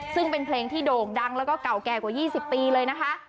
ซึ่งเป็นเพลงที่โด่งดังแล้วก็เก่าแก่กว่า๒๐ปีเลยนะคะ